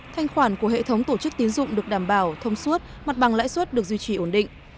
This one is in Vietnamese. thanh khoản của hệ thống tổ chức tín dụng được đảm bảo thông suốt mặt bằng lãi suất được duy trì ổn định